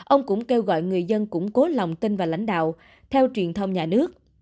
ông cũng kêu gọi người dân củng cố lòng tin vào lãnh đạo theo truyền thông nhà nước